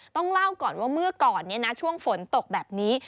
ต้องเล่าก่อนว่าเมื่อก่อนช่วงฝนตกแบบนี้